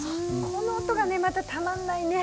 この音がねまたたまんないね。